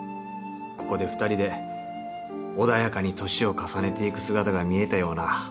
ここで２人で穏やかに年を重ねていく姿が見えたような